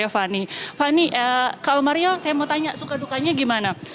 fanny kalau mario saya mau tanya suka dukanya gimana